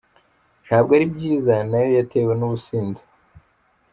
Ntabwo ari byiza, nayo yatewe n’ubusinzi.